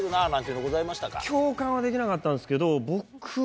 共感はできなかったんですけど。